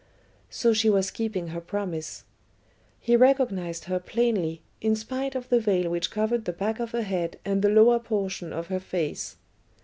So she was keeping her promise. He recognised her plainly, in spite of the veil which covered the back of her head and the lower portion of her face.